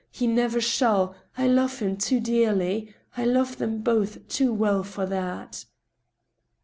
... He never shall I I love him too dearly — I love them both too well for that